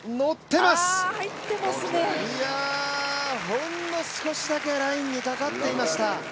ほんの少しだけラインにかかっていました。